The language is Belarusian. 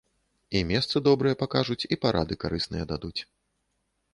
І месцы добрыя пакажуць, і парады карысныя дадуць.